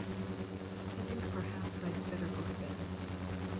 I think perhaps I'd better go to bed.